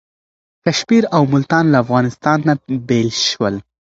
کشمیر او ملتان له افغانستان نه بیل شول.